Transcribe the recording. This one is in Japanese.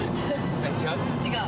違う？